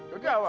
gak ada apa